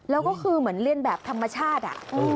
แล้วก็คือเหมือนเรียนแบบธรรมชาติ